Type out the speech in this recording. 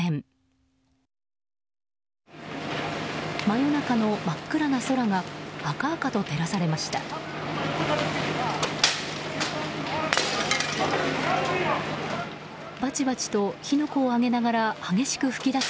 真夜中の真っ暗な空が赤々と照らされました。